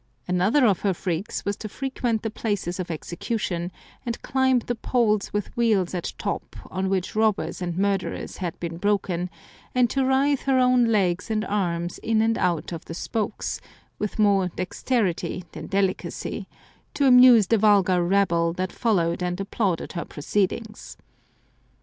Another of her freaks was to frequent the places of execution, and climb the poles with wheels at top on which robbers and murderers had been broken, and to writhe her own legs and arms in and out of 20 1 Curiosities of Olden Times the spokes, with more dexterity than delicacy, to amuse the vulgar rabble that followed and applauded her proceedings.